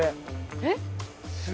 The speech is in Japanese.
えっ？